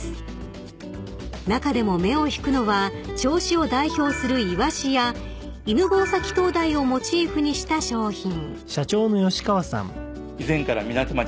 ［中でも目を引くのは銚子を代表するイワシや犬吠埼灯台をモチーフにした商品］